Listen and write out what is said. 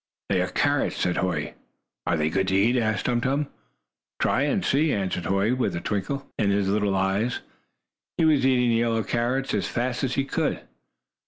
"They are carrots," said Hoy. "Are they good to eat?" asked Tum Tum. "Try and see," answered Hoy, with a twinkle in his little eyes. He was eating the yellow carrots as fast as he could.